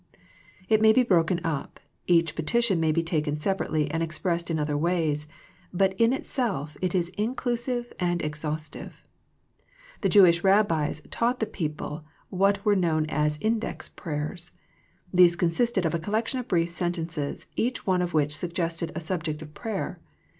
It may be broken up, each petition may be taken separately and expressed in other ways, but in itself it is inclusive and exhaustive. The Jewish Eabbis taught the people what were known as " index prayers." These consisted of a collection of brief sentences, each one of which suggested a subject of prayer.